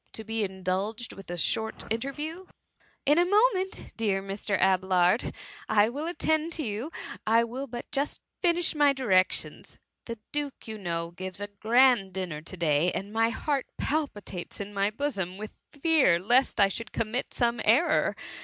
to be indulged with a short interview.^^ ^^ In a moment, dear Mr. Abelard ! I will fittendto you; I will but just finish my direc* tions. The^ duke, you know, gives a grand dinner to day, and my heart palpitates in my bosom with fear lest I should commit some error.